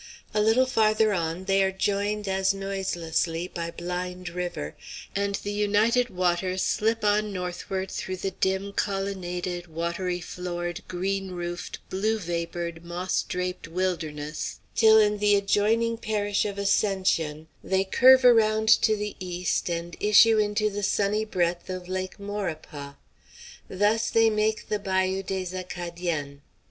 A little farther on they are joined as noiselessly by Blind River, and the united waters slip on northward through the dim, colonnaded, watery floored, green roofed, blue vapored, moss draped wilderness, till in the adjoining parish of Ascension they curve around to the east and issue into the sunny breadth of Lake Maurepas. Thus they make the Bayou des Acadiens.